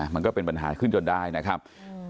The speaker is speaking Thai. มันก็เป็นปัญหาขึ้นจนได้นะครับ